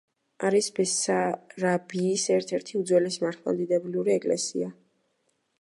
არის ბესარაბიის ერთ-ერთი უძველესი მართლმადიდებლური ეკლესია.